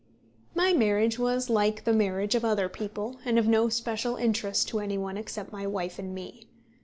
My marriage was like the marriage of other people, and of no special interest to any one except my wife and me.